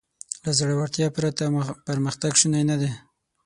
له زړهورتیا پرته پرمختګ شونی نهدی.